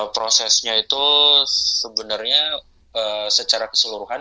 prosesnya itu sebenarnya secara keseluruhan